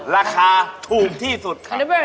ราคาถูกที่สุด